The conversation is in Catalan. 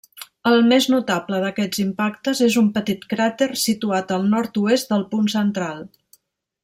El més notable d'aquests impactes és un petit cràter situat al nord-oest del punt central.